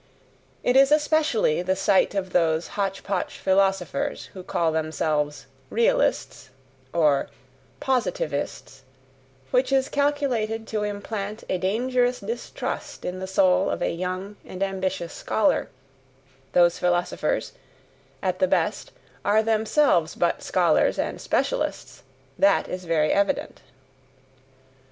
It is especially the sight of those hotch potch philosophers, who call themselves "realists," or "positivists," which is calculated to implant a dangerous distrust in the soul of a young and ambitious scholar those philosophers, at the best, are themselves but scholars and specialists, that is very evident!